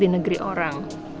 di negeri orang